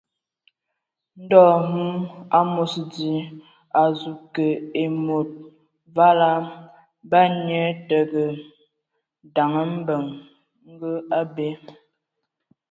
Ndɔ hm, amos di, a azu kə ai mod vala, ban nye təgə daŋ mbəŋ ngə abe.